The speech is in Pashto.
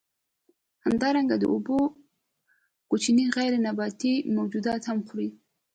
همدارنګه د اوبو کوچني غیر نباتي موجودات هم خوري.